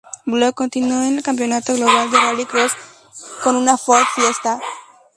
Block continuó en el Campeonato Global de Rallycross con un Ford Fiesta.